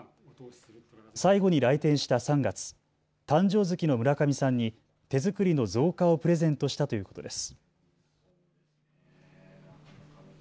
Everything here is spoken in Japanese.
最後に来店した３月、誕生月の村上さんに手作りの造花をプレゼントしたということです。